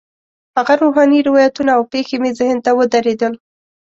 هغه روحاني روایتونه او پېښې مې ذهن ته ودرېدل.